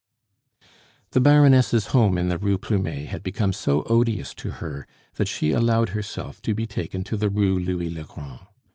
The Baroness' home in the Rue Plumet had become so odious to her, that she allowed herself to be taken to the Rue Louis le Grand.